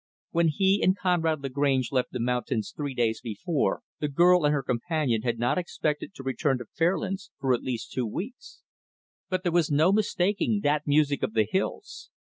When he and Conrad Lagrange left the mountains three days before, the girl and her companion had not expected to return to Fairlands for at least two weeks. But there was no mistaking that music of the hills.